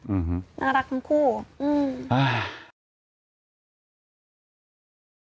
อืมน่ารักทั้งคู่อืมอ่า